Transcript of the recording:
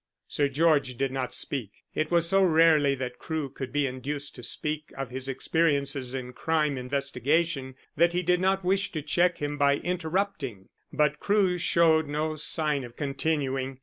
Sir George did not speak. It was so rarely that Crewe could be induced to speak of his experiences in crime investigation that he did not wish to check him by interrupting. But Crewe showed no sign of continuing.